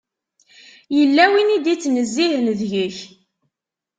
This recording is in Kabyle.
Yella win i d-ittnezzihen deg-k.